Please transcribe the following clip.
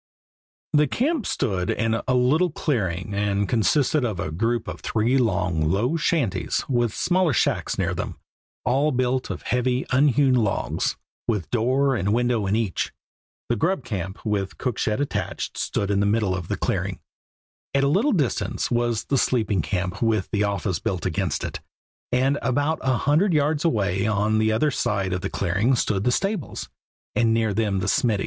The camp stood in a little clearing, and consisted of a group of three long, low shanties with smaller shacks near them, all built of heavy, unhewn logs, with door and window in each. The grub camp, with cook shed attached, stood in the middle of the clearing; at a little distance was the sleeping camp with the office built against it, and about a hundred yards away on the other side of the clearing stood the stables, and near them the smiddy.